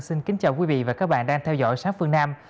xin kính chào quý vị và các bạn đang theo dõi sát phương nam